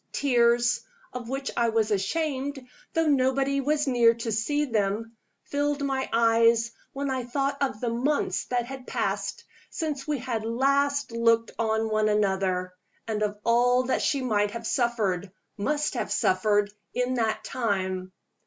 Tears of which I was ashamed, though nobody was near to see them filled my eyes when I thought of the months that had passed since we had last looked on one another, and of all that she might have suffered, must have suffered, in that time.